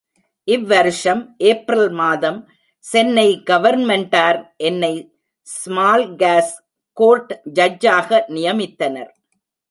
இவ் வருஷம் ஏப்ரல் மாதம் சென்னை கவர்ன்மென்டார் என்னை ஸ்மால் காஸ் கோர்ட் ஜட்ஜாக நியமித்தனர்.